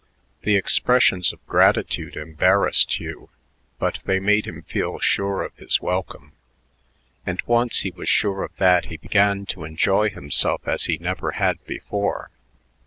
The expressions of gratitude embarrassed Hugh, but they made him feel sure of his welcome; and once he was sure of that he began to enjoy himself as he never had before.